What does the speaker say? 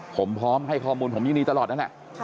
ผมพร้อมให้ข้อมูลผมยินดีตลอดนั่นแหละ